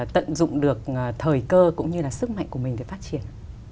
tận dụng được thời cơ cũng như là sức mạnh của mình để phát triển